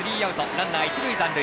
ランナー、一塁残塁。